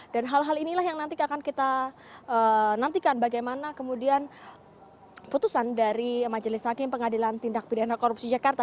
dan hal hal inilah yang nanti akan kita nantikan bagaimana kemudian putusan dari majelis haki pengadilan tindak pidana korupsi jakarta